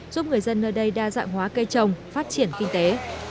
giúp người dân nơi đây đa dạng hóa cây trồng phát triển kinh tế